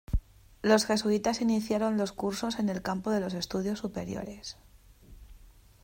Los jesuitas iniciaron los cursos en el campo de los estudios superiores.